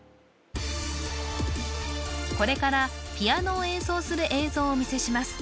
これからピアノを演奏する映像をお見せします